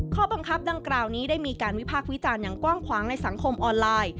ข้อบังคับดังกล่าวนี้ได้มีการวิพากษ์วิจารณ์อย่างกว้างขวางในสังคมออนไลน์